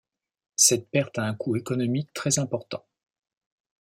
Cette perte a un coût économique très important.